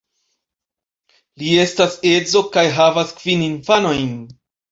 Li estas edzo kaj havas kvin infanojn.